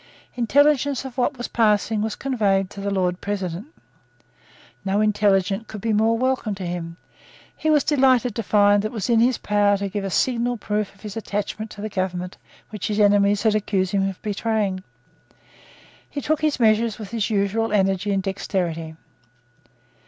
Intelligence of what was passing was conveyed to the Lord President. No intelligence could be more welcome to him. He was delighted to find that it was in his power to give a signal proof of his attachment to the government which his enemies had accused him of betraying. He took his measures with his usual energy and dexterity.